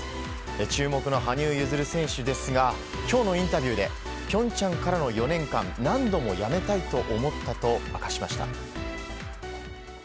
注目の羽生結弦選手ですが今日のインタビューで平昌からの４年間何度も辞めたいと思ったと明かしました。